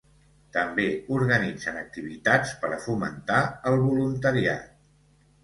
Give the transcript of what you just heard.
També organitzen activitats per a fomentar el voluntariat.